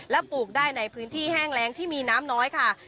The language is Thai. และปลูกได้ในพื้นที่แห้งแรงที่มีน้ำน้อยค่ะ